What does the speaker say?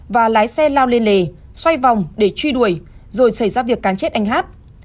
và lái xe lao lên lề xoay vòng để truy đuổi rồi xảy ra việc cán chết anh hát